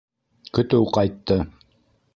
Көтөү ҡайтты!